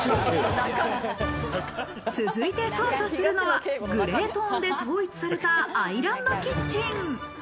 続いて捜査するのはグレートーンで統一されたアイランドキッチン。